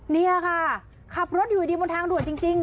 นี่ค่ะขับรถอยู่ดีบนทางด่วนจริง